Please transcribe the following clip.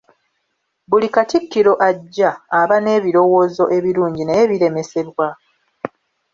Buli Kattikiro ajja aba n'ebirowoozo ebirungi naye biremesebwa.